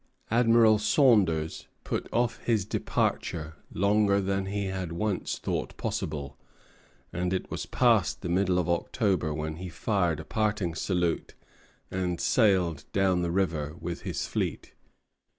Admiral Saunders put off his departure longer than he had once thought possible; and it was past the middle of October when he fired a parting salute, and sailed down the river with his fleet.